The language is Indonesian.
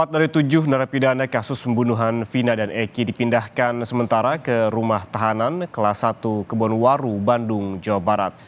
empat dari tujuh narapidana kasus pembunuhan vina dan eki dipindahkan sementara ke rumah tahanan kelas satu kebonwaru bandung jawa barat